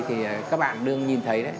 thì các bạn đương nhìn thấy đấy